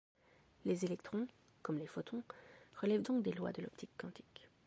Les électrons, comme les photons, relèvent donc des lois de l'optique quantique.